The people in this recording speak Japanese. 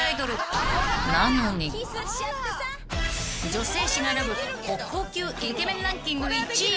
［女性誌が選ぶ国宝級イケメンランキング１位］